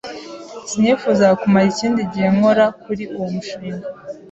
Sinifuzaga kumara ikindi gihe nkora kuri uwo mushinga.